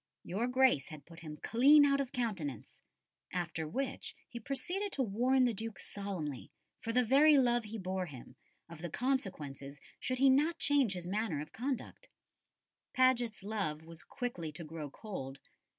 Your Grace had put him clean out of countenance." After which he proceeded to warn the Duke solemnly, "for the very love he bore him," of the consequences should he not change his manner of conduct. Paget's love was quickly to grow cold.